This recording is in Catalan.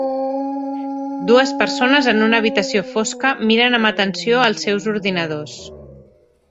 Dues persones en una habitació fosca miren amb atenció els seus ordinadors.